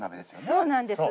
そうなんです。